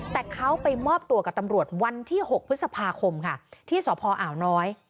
แต่เขาไปมอบตัวกับตำรวจวันที่๖พฤษภาคมค่ะที่สพอ่าวน้อย